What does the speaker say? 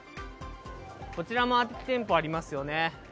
こちらも空き店舗ありますよね。